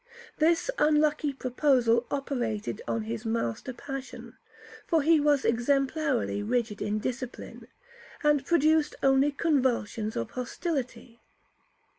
This unlucky proposal operated on his master passion, (for he was exemplarily rigid in discipline), and produced only convulsions of hostility.